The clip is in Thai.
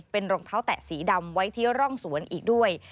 เป็นรองเท้าแตะสีดำไว้ที่ร่องสวนอีกด้วย